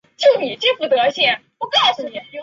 江西吉水人。